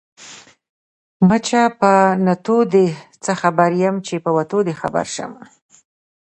ـ مچه په نتو دې څه خبر يم ،چې په وتو دې خبر شم.